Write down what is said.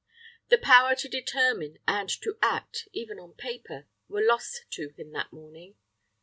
The power to determine and to act, even on paper, were lost to him that morning.